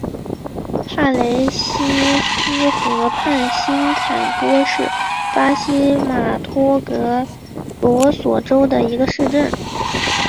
帕雷西斯河畔新坎波是巴西马托格罗索州的一个市镇。